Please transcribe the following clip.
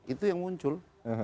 itu yang muncul